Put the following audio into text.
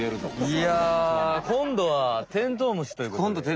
いやこんどはテントウムシということで。